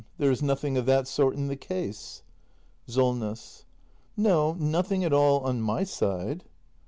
There is nothing of that sort in the case ? Solness. No; nothing at all — on my side.